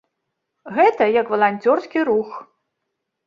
Гэта як валанцёрскі рух.